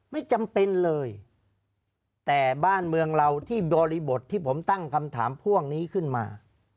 ไม่จำเป็นเลยแต่บ้านเมืองเราที่บริบทที่ผมตั้งคำถามพ่วงนี้ขึ้นมา